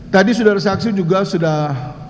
tadi saudara saksi juga sudah